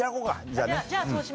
じゃあそうします。